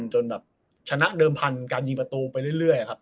จนแบบชนะเดิมพันธุ์การยิงประตูไปเรื่อยครับ